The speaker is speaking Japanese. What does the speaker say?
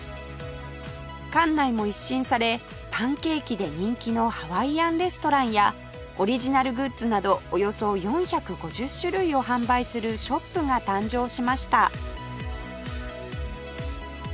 館内も一新されパンケーキで人気のハワイアンレストランやオリジナルグッズなどおよそ４５０種類を販売するショップが誕生しました